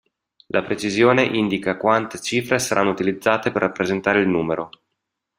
La precisione indica quante cifre saranno utilizzate per rappresentare il numero.